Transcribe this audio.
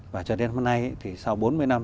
và cho đến hôm nay thì sau bốn mươi năm